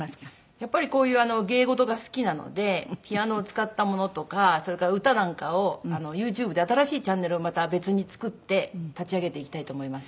やっぱりこういう芸事が好きなのでピアノを使ったものとかそれから歌なんかをユーチューブで新しいチャンネルをまた別に作って立ち上げていきたいと思います。